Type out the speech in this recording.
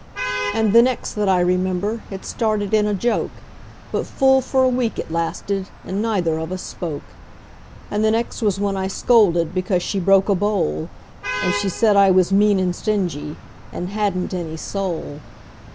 And the next that I remember, it started in a joke; But full for a week it lasted, and neither of us spoke. And the next was when I scolded because she broke a bowl; And she said I was mean and stingy, and hadn't any soul.